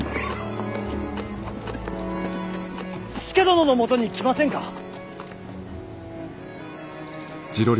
佐殿のもとに来ませんか。